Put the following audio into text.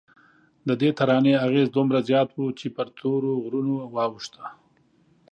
ددې ترانې اغېز دومره زیات و چې پر تورو غرونو واوښته.